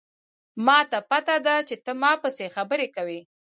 ما ته پته ده چې ته په ما پسې خبرې کوې